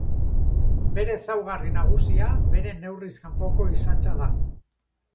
Bere ezaugarri nagusia bere neurriz kanpoko isatsa da.